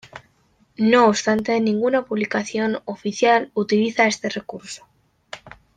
No obstante, ninguna publicación oficial utiliza este recurso.